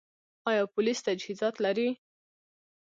آیا پولیس تجهیزات لري؟